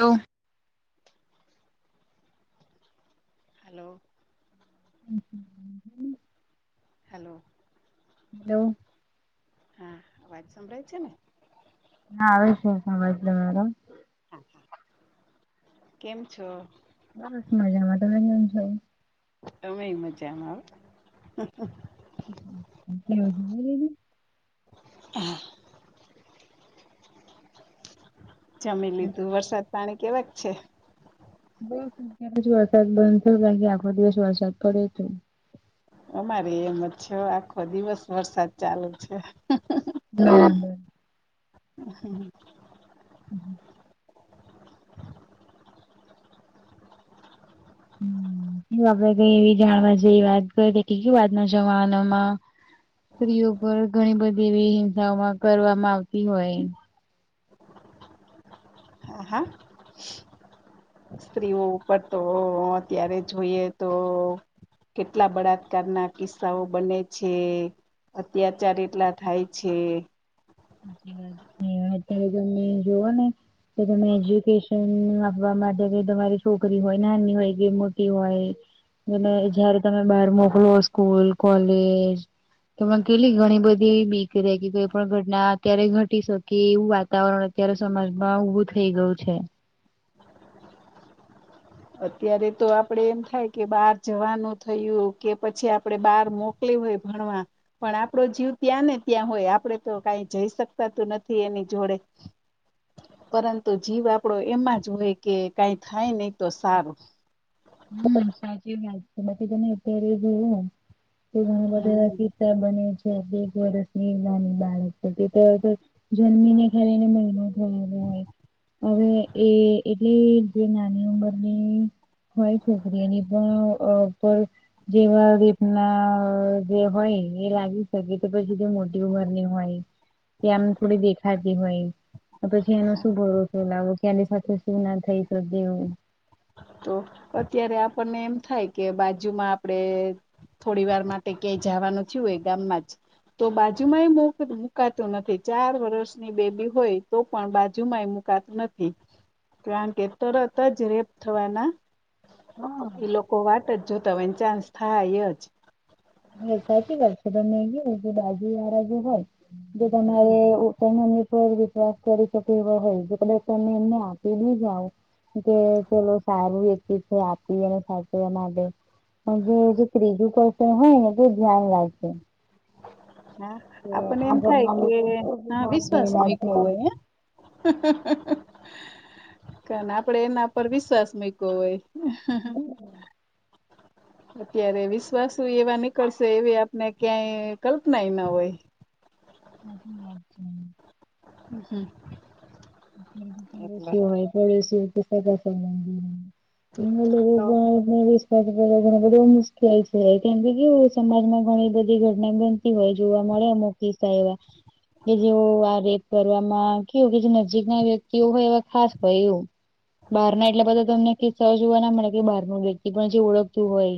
તો હલો હમ hello hello હા અવાજ સંભળાય છે ને? હા આવે છે અવાજ તમારો. હા હા. કેમ છો? બસ મજામાં. તમે કેમ છો? અમે એ મજામાં હો. કેવુ જમી લીધું? હા જમી લીધું. વરસાદ પાણી કેવાક છે? બસ અત્યારે જો વરસાદ બંઘ થયો. કારણ કે આખો દિવસ વરસાદ પડ્યો તો. અમારે એમ જ છે આખો દિવસ વરસાદ ચાલુ છે. [inaudible] બરાબર [inaudible] [unintelligible] સ્ત્રીઓ પર ઘણી બધી એવી હિંસાઓમાં કરવામાં આવતી હોય. હા હા સ્ત્રીઓ ઉપર તો અત્યારે જોઈએ તો. કેટલા બળાત્કારના કિસ્સાઓ બને છે. અત્યાચાર એટલા થાય છે. સાચી વાત છે. અત્યારે તમે જોવો ને કે તમે એજ્યુકેશન આપવા માટે કે તમારી છોકરી હોય નાની હોય કે મોટી હોય. અને જયારે તમે બહાર મોકલો સ્કૂલ, કોલેજ. તો એમાં કેટલી ઘણી બધી એવી બીક રે કે કોઈ પણ ઘટ ના અત્યારે ઘટી શકે એવું વાતાવરણ અત્યારે સમાજમાં ઉભું થઈ ગયું છે. અત્યારે તો આપડે એમ થાય કે બહાર જવાનું થયું કે પછી આપડે બહાર મોક કલી હોય ભણવા. પણ આપડો જીવ ત્યાં ને ત્યાં હોય આપડે તો કાઈ જઈ શકતા તો નથી એની જોડે. [inaudible] પરંતુ જીવ આપડો એમાં જ હોય કે કાઈ થાય નહી તો સારું. હા સાચી વાત છે. બાકી તમે અત્યારે એ જોયું ને કે ઘણા બધા એવા હમ કિસ સા બને છે. એક વર્ષની નાની બાળક તો હવે તો જન્મી ને ખાલી એને મહિનો થયો ને હોય. હવે એ એટલે જે નાની ઉંમરની હોય છોકરીઓની પણ ઉપ જેવા રેપના જે હોય એ લાગી શકે. તો પછી જે મોટી ઉંમરની હોય. કે આમ થોડી દેખાતી હોય. તો પછી એનો શું ભરોસો લાવો કે આની સાથે શું ના થઈ શકે એવું. તો અત્યારે આપણને એમ થાય કે બાજુમાં આપણેે. થોડી વાર માટે ક્યાંય જાવાનું થયું હોય ગામમાં જ. તો બાજુમાં એ મુકાતું નથી, ચાર વર્ષની બેબી હોય તો પણ બાજુમાં એ મુક કાતું નથી. કારણ કે તરત જ રેપ થવાના હા ઈ લોકો વાટ જ જોતા હોય અને ચાન્સ થાય જ. હા! સાચી વાત છે. તમે કીધું કે બાજુવાળા જે હોય જે હમ તમારે તમે [inaudible] કે વિશ્વાસ કરી શકે એવા હોય. પલે તમે એમને આપીલી જાવ. કે ચલો સારું વ્યક્તિ છે આપી એને સાચવવા માટે. અને જે જે ત્રીજું પર્સન હોય ને તે ધ્યાન રાખશે. હા આપણને એમ થાય કે કેવું હા બહાર વિશ્વાસ ગયેલા છે. મૂક્યો હોય હે. કાને આપડે એના પર વિશ્વાસ મુક્યો હોય. હા હા! અત્યારે વિશ્વાસ એવા નીકળશે, એવી આપને ક્યાંય કલ્પનાય ન હોય. [inaudible] હા! હોય પડ છે. કે એના તો લોકો પણ. વિશ્વાસ કરવા ઘ બધ મુશ્કેલ છે. કેમ કે સમાજ માં ઘણી બધી ઘટના બ. હોય જોવા મળે. મકીતાાય એવા કે, જેવું આ રેપ કરવામાં કેવું કે. ના વ્યક્તિઓ હોય હ ખાસ હોય એવું. બહાર ના એટલે બધા તમને કઈ સહજ જોવા ના મળે. કે બહારનું વ્યક્તિ જે ઓળખતું હોય.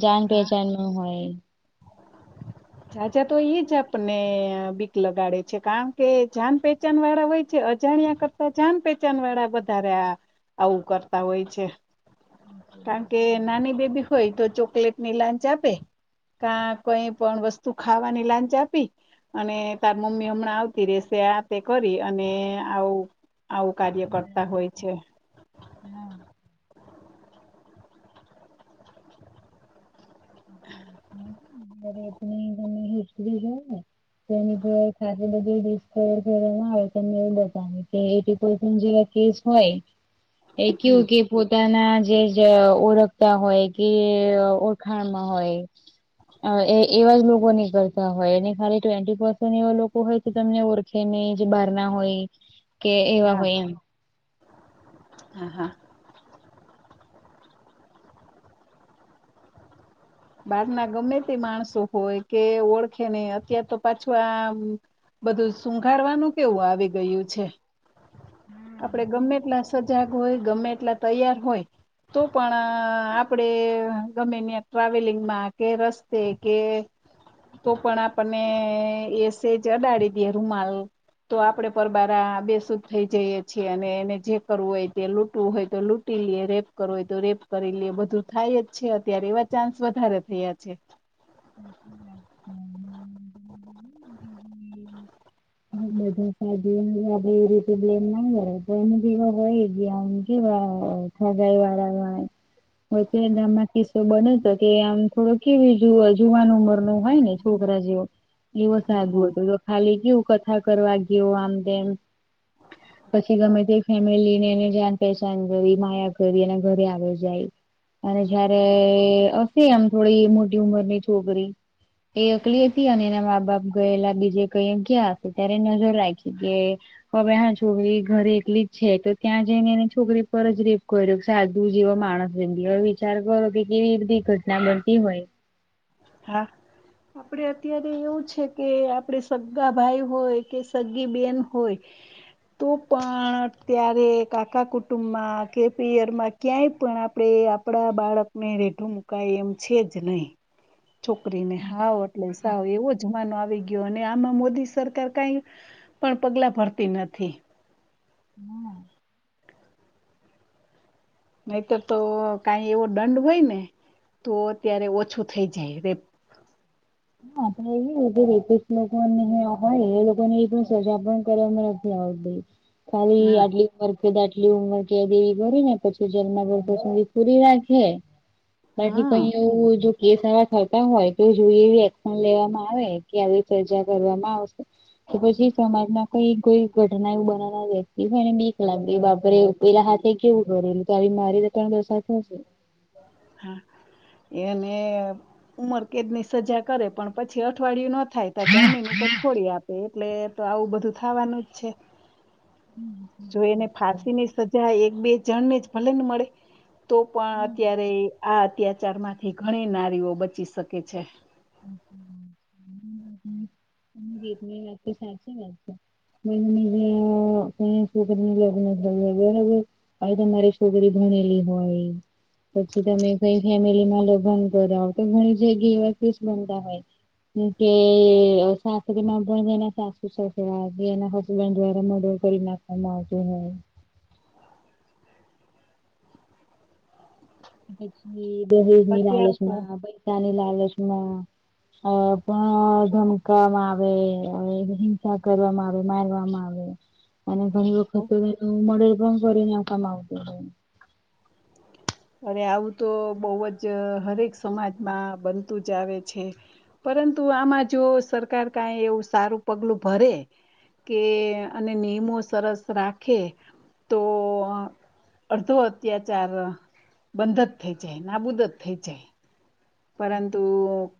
જાન હા પહેચાન ન હોય. જાજા તો એ જ આપને બીક લગાડે છે. કારણ કે જાન પહેચાન વાળા હોય છે. અજાણ્યા જાન પહેચાન વાળા, વધારે આવું કરતા હોય છે. કારણ કે નાની બેબી હોય, તો ચોકલેટની લાંચ આપે. કા કઈ પણ વસ્તુ ખાવાની લાંચ આપી અને તાર મમ્મી હમણાં આવતી રેશે આ તે કરી અને આવું આવું કાર્ય કરતા હોય છે. હમ એતની તમે હસલી રહને ની ખાતે બધ ડ ના બ જે કેસ હોય એ હમ કેવું કે પોતાના જે ઓળખતા હોય કે ખાણમાં હોય એ એવા જ લોકો નહી કરતા હોય એને ખાલી ટ્વેી પસ એવા લોકો હોય તમને ઓળખેને જે બારના હોય કે એવા હા હોય એમ હા હા બહાર ના ગમે તે માણસો હોય કે ઓળખેને અત્યાર તો પાછું આ બધું શુંઘાારવાનું કેવું આવી ગયું છે. આપડે ગમેટલા સજાગ હોય ગમેટલા તૈયાર હોય તો પણ આપડે ગમે ત્યા ટ્રાવેલિંગમાં કે રસ્તે કે તો પણ આપણને એસેજ અડાડી દે રૂમાલ તો આપડે પરબાર બેસુ જ થઈ જઈએે છીએ અને એને જે કરવું હોય તે લૂટવું હોય તો લ લ રેપ કરવો હોય તો રેપ કરી લેએ બધું થાય જ છે અત્યારે એવા ચાન્સ વધારે થયા છે. હ બધા સા આપડે એવી રીતે બ્લેમ ના કરે તો એમ દીવા હોય ગયા કેવા હગાય વાળય વચે નામાં કિસ્સો બને તો કે આમ થોડો કેવી જોવાનું હોય ને છોકરા જેવ એવો સાદું હમ હત ખાલી કેવું ા કરવા ગયયો આમદમ પછી ગમે તે ફેમિલી ને એને જાન પહેચાન કરી માયા કરી અને ઘરે આવે જાય અને જયારે હશે આમ થોડી મોટી ઉંમરની છોકરી એ એકકલી હતી અને એના મા બાપ ગયેલા બીજે કઈ ગયા. એ ત્યારે નજર રાખી દ હવે હા છોકરી ઘરે એલી જ છે તો ત્યાં જઈને એને છોકરી પર જ રેપ કર્યો સાધુ જેવો માણસ બી હવે વિચાર કરો કે કેવી રી ઘટના બનતી હોય હા આપડે અત્યારે એવું છે કે આપડે સગગા ભાઈ હોય કે સગી બેન હોય તો પણ ત્યારે કાકા કુટુંબમાં કે પીયરમાં ક્યાંય પણ આપણે આપણા બાળકને રેઢું મુકાય એમ છે જ નહીં છોકરીને સાાવ એટલે સાવ એવો જમાનો આવી ગયો અને આમાં મોદી સરકાર કઈ પણ પગલા ભરતી નથી. નહીતર તો કઈ એવો દંડ હોય ને તો અત્યારે ઓછું થઈ જાય રે. હ આપ વ એક લોકોને હોય એ લોકો ને એ પણ સજ કરવામાં. હ ભ ખાલી હા આડલી. વખે દાટલી ઉંમર કે દેવી ભરી ને પછી જન્મ વર્ષો સુધી પૂરી રાખે. તથી હા કઈ એવું જો કેસવા થતા હોય તો એ જોઈએ. લેવામાં આવે કે આવી સજા કરવામાં આવશે. તો પછી સમાજમાં કઈ કોઈ ઘટના એવું બન ના દતીને બક લાગે બાપરેવ. પેલા હાથે કેવું કર એલે તો મારી ત દશે. હા. એને ઉમર કેદ ની સજા કરે પણ પછી અઠવાડિયું ન થાય ત્યા જામીન ઉપર છોડી આપે એટલે તો આવું બધું થવાનું જ છે. હમ. જો સાચી એને વાત છે. ફાંસી ની સજા એક બે જણ ને જ ભલન મળે તો પણ હમ અત્યારે. આ અત્યાચારમાંથી ઘણી નારીઓ બચી શકે છે. ગીત વાતો સા છે વાત. બજ ક શું કરી અગ હ. ભ તમારી છોકરી ભણેલી હોય. પછી તમે કઈ ફેમિલીમાં લગ્ન કરોાવ તો ઘણી જગ્યા એવા ફ બનતા હોય. કે શશુરી મા ભણી જે ના શશું શવા દ ના. દ્વારા મદર કરી નાખવામાં આવતો હોય. પછી દહેજ ની અત્યારે તો લાલચમાં પૈસા ની લાલચમાં. અ પણ ધમકવામાં આવે હિંસા કરવામાં આવે મારવામાં આવે. અને ઘણી તો વખત મડર પણ કરે ને આવામાં આવતો. અરે આવું તો બહુ જ હરેક સમાજમાં બનતું જ આવે છે. પરંતુ આમાં જો સરકાર કઈ એવું સારું પગલું ભરે. કે અને નિયમો સરસ રાખે તો. અડધો અત્યાચાર. બંધ જ થઈ જાય નાબૂદ જ થઈ છે પરંતુ.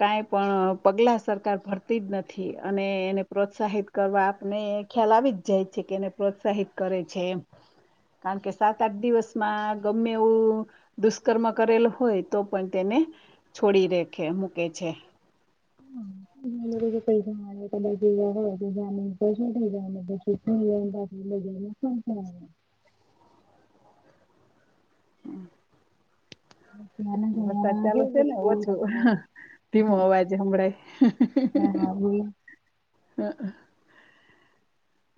કાંઈ પણ પગલાં સરકાર ભરતી જ નથી અને એને પ્રોત્સાહિત કરવા આપને. ખ્યાલા આવી જાય છે કે એને પ્રોત્સાહિત કરે છે એ. કારણ કે સાત આઠ દિવસમાં ગમે એવું. દુષ્કર્મ કરેલો હોય તો પણ તેને છોડી રખે મૂકે છે. કઈ ત જ હોય તો થઈને. હમ હમ. વરસાદ ચાલુ છે ને ઓછું ધીમો અવાજ હમળાય જમગ. હા હા બ [inaudible] હ [inaudible]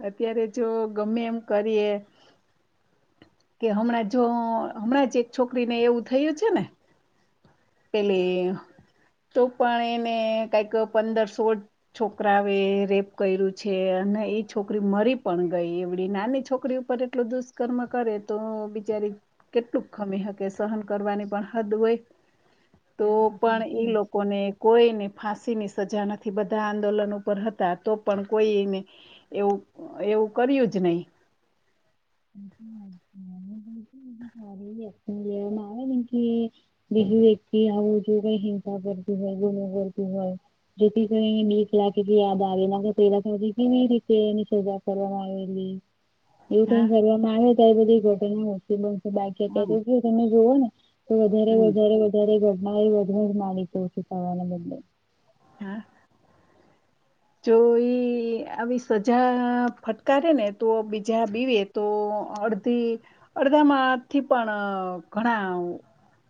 અત્યારે જો ગમે એમ કરીએ [inaudible] કે હમણાં જો હમણાં જ એક છોકરી ને એવું થયું છે ને. એટલે તો પણ એને કંઈક પંદર સોળ. છોકરા એ રેપ કર્યું છે અને એક. છોકરી મરી પણ ગઈ એવડી નાની છોકરી ઉપર એટલો દુષ્કર્મ કરે તો બિચારી. કેટલું ખમી હકે સહન કરવાની પણ હદ હોય. તો હા પણ સાચી ઈ વાત છે લોકોને. કોઈને ફાંસીની સજા નથી બધા આંદોલન ઉપર હતા તો પણ કોઈ એને. એવું એવું કર્યું જ નહીં. આવે. બીજું વ્યક્તિ આવું જો કઈ હિંસા કરતું હોય ગુનો કરતું હોય. જેથી કોઈ ક લાગે કે યાદ આવે નાખે પેલાી કેવી રીતે એની સજા કરવામાં આવેલી. એવું હા કઈ કરવામાં આવે તો એ બધી ઘોટે ન હો. બાકી અ હમ તો સમય તમે જોવો ને તો વધારે હમ વધારે બરે ઘઢના [unintelligible] છે સવાલ મને. હા. જો એઈ આવી સજા ફટકારે ને તો બીજા બીવે તો અડધી અડધામાં થી પણ ઘણા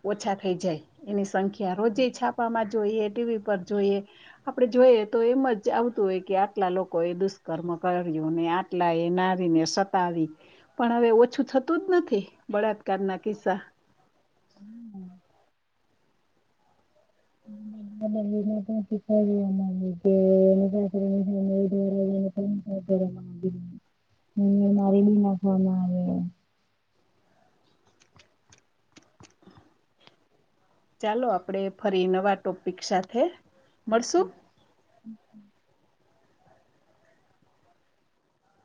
ઓછા ખઇ જાય એની સંખ્યા રોજે છાપામાં જોઈએ, ટી વી પર જોઈએ આપડે જોઈએ તો એમ જ આવતું હોય કે આટલા લોકો એ દુષ્કર્મ કર્યું અને આટલા એ નારીને સતાવી. પણ હવે ઓછું થતું જ નથી બળાત્કાર ના કિસ્સા. [unintelligible] [unintelligible] ચાલો આપડે ફરી નવા ટોપિક સાથે મળશું. [unintelligible]